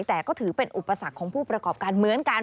แต่ก็ถือเป็นอุปสรรคของผู้ประกอบการเหมือนกัน